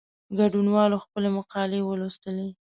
ګډونوالو خپلي مقالې ولوستې.